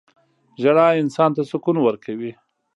• ژړا انسان ته سکون ورکوي.